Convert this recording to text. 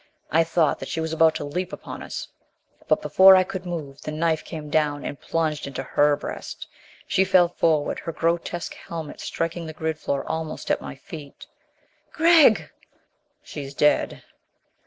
I thought that she was about to leap upon us. But before I could move, the knife came down and plunged into her breast. She fell forward, her grotesque helmet striking the grid floor almost at my feet. "Gregg!" "She's dead."